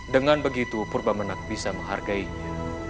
dengan begitu purba menak bisa menghargainya